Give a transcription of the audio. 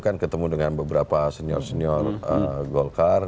kan ketemu dengan beberapa senior senior golkar